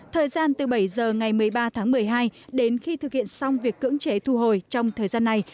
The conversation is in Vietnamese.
thời gian từ bảy giờ ngày một mươi ba tháng một mươi hai đến khi thực hiện xong việc cưỡng chế thu hồi trong thời gian này